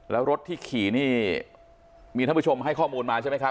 แล้วรถที่ขี่นี่มีท่านผู้ชมให้ข้อมูลมาใช่ไหมครับ